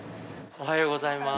おはようございます。